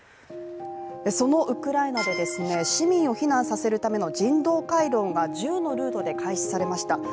そのウクライナで市民を避難させるための人道回廊が１０のルートで開始されました。